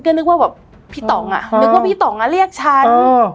นึกว่าพี่ตองเรียกฉัน